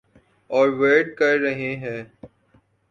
اور ورد کر رہے ہیں۔